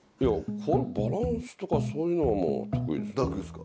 バランスとかそういうのはもう得意ですよ。